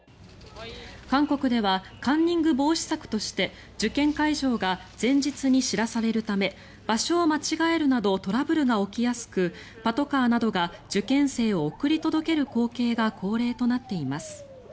韓国ではカンニング防止策として受験会場が前日に知らされるため場所を間違えるなどトラブルが起きやすくパトカーなどが受験生を送り届ける光景が恒例となっています。